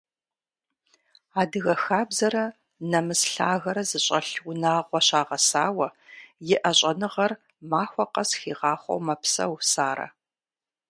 Адыгэ хабзэрэ нэмыс лъагэрэ зыщӏэлъ унагъуэ щагъэсауэ, иӏэ щӏэныгъэр махуэ къэс хигъахъуэу мэпсэу Сарэ.